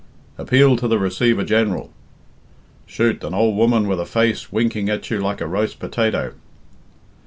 "Appeal to the Receiver General." "Chut! an ould woman with a face winking at you like a roast potato."